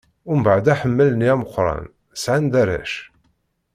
Mbeɛd aḥemmal-nni ameqran, sɛan-d arrac.